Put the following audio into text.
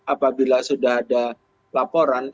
apabila sudah ada laporan